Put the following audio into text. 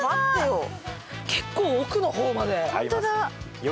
結構、奥の方まで。